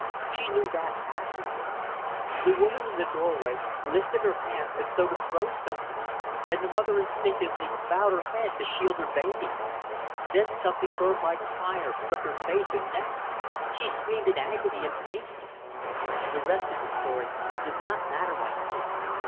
She knew that, afterward. The woman, in the doorway lifted her hand as though to throw something, and the mother, instinctively, bowed her head to shield her baby. Then something that burned like fire struck her face and neck. She screamed in agony, and fainted. "The rest of the story does not matter, I think.